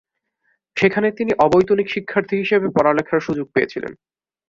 সেখানে তিনি অবৈতনিক শিক্ষার্থী হিসেবে পড়ালেখার সুযোগ পেয়েছিলেন।